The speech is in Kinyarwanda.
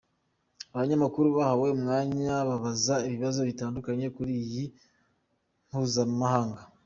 Abanyamakuru bahawe umwanya babaza ibibazo bitandukanye kuri iyi nama mpuzamahanga.